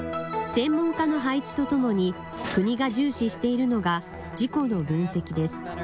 専門家の配置とともに、国が重視しているのが、事故の分析です。